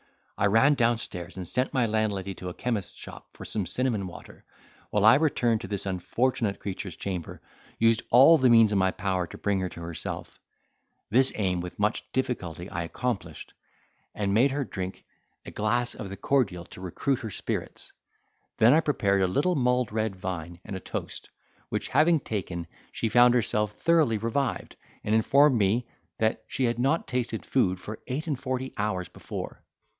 I ran downstairs, and sent my landlady to a chemist's shop for some cinnamon water, while I, returning to this unfortunate creature's chamber, used all the means in my power to bring her to herself; this aim with much difficulty I accomplished, and made her drink a glass of the cordial to recruit her spirits: then I prepared a little mulled red wine and a toast, which having taken, she found herself thoroughly revived, and informed me, that she had not tasted food for eight and forty hours before.